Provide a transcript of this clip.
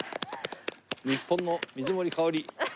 日本の水森かおり。